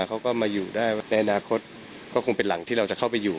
เขาก็มาอยู่ได้ในอนาคตก็คงเป็นหลังที่เราจะเข้าไปอยู่